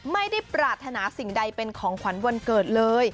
ไม่ได้ปรารถนาสิ่งใดเป็นของขวัญวันเกิดเลย